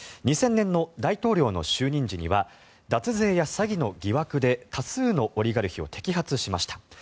２０００年の大統領就任時には脱税や詐欺の疑惑で多数のオリガルヒを摘発しました。